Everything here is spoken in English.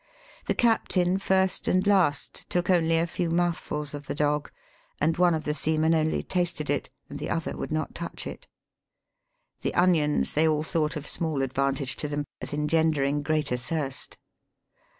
The captain, first and last, took only a few mouthfuls of the dog, and one of the seamen only tasted it, and the other would not touch it. The onions they all thought of small advantage to them, as engendering greater thirst.